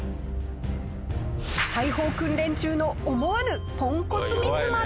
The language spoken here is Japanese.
大砲訓練中の思わぬポンコツミスまで。